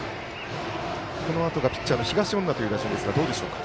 このあとがピッチャーの東恩納という打順ですがどうでしょうか。